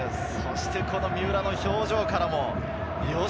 三浦の表情からもよし！